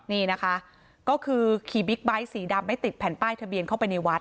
นี่นะคะก็คือขี่บิ๊กไบท์สีดำไม่ติดแผ่นป้ายทะเบียนเข้าไปในวัด